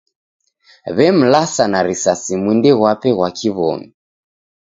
W'emlasa na risasi mwindi ghwape ghwa kiw'omi.